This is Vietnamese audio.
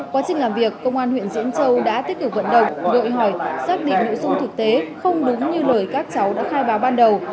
quá trình làm việc công an huyện diễn châu đã tích cực vận động đội hỏi xác định nội dung thực tế không đúng như lời các cháu đã khai báo ban đầu